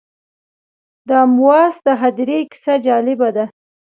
د امواس د هدیرې کیسه جالبه ده.